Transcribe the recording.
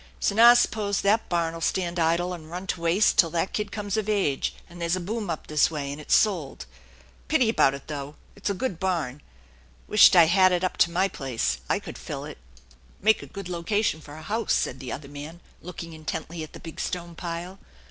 So now I s'pose that barn'll stand idle and run to waste till that kid comes of age and there's a boom up this way and it's sold. Pity about it, though ; it's a good barn. Wisht I had it Up to my place ; I could fill it." " Make a good location for a house," said the other man, looking intently at the big stone pile.